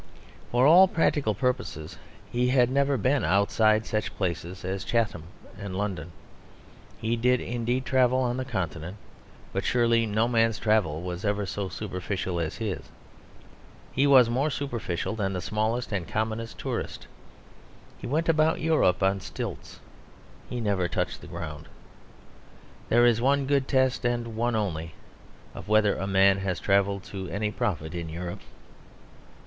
For all practical purposes he had never been outside such places as Chatham and London. He did indeed travel on the Continent; but surely no man's travel was ever so superficial as his. He was more superficial than the smallest and commonest tourist. He went about Europe on stilts; he never touched the ground. There is one good test and one only of whether a man has travelled to any profit in Europe.